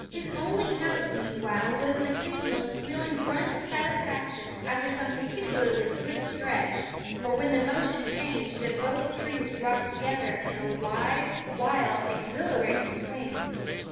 fe< His only note, meanwhile, was an occasional squealing grunt of satisfaction after some particularly good stretch, or when the motion changed and both trees rocked together in a wide, wild, exhilarating swing.